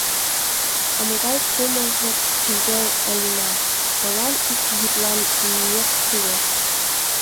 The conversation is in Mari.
А могай кумылзо шӱмбел ыльна— Мылам ик йӱдлан имнет кӱлеш.